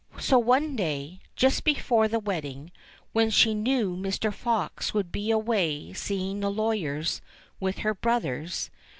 So one day, just before the wedding, when she knew Mr. Fox would be away seeing the lawyers with her brothers, 232 MR.